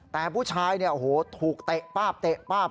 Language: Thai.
แต่ผู้ชายโอ้โฮถูกเตะปาบตะปาบ